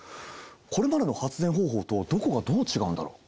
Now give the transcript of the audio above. これまでの発電方法とどこがどう違うんだろう？